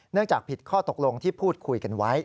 จากผิดข้อตกลงที่พูดคุยกันไว้